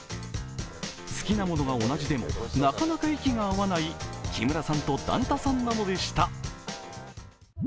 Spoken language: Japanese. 好きなものが同じでもなかなか息が合わない木村さんと段田さんなのでした。